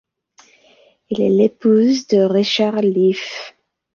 Elle est l'épouse de Richard Leaf.